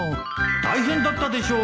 大変だったでしょう。